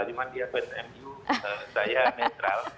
cuma dia psmu saya netral